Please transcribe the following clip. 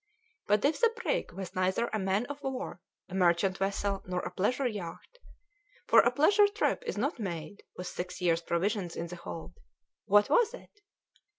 But if the brig was neither a man of war, a merchant vessel, nor a pleasure yacht for a pleasure trip is not made with six years' provisions in the hold what was it?